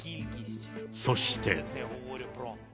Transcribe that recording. そして。